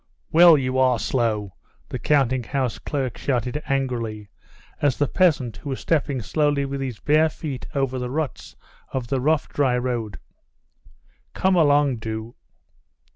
"Well, you are slow!" the counting house clerk shouted angrily to the peasant who was stepping slowly with his bare feet over the ruts of the rough dry road. "Come along, do!"